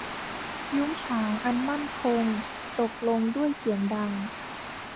ยุ้งฉางอันมั่นคงตกลงด้วยเสียงดัง